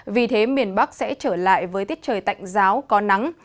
vì thế miền bắc sẽ trở lại với tiết trời tạnh giáo có nắng